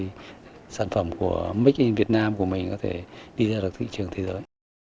vì vậy sản phẩm của made in vietnam của mình có thể đi ra được thị trường thế giới